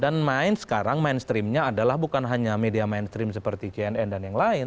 dan main sekarang mainstreamnya adalah bukan hanya media mainstream seperti jnn dan yang lain